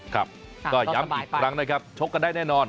ครับก็ย้ำอีกครั้งนะครับชกกันได้แน่นอน